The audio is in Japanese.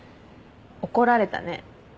怒られたね。